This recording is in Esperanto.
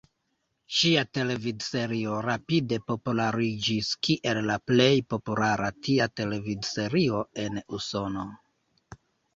Ŝia televidserio rapide populariĝis kiel la plej populara tia televidserio en Usono.